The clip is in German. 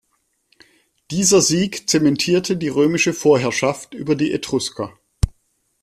Dieser Sieg zementierte die römische Vorherrschaft über die Etrusker.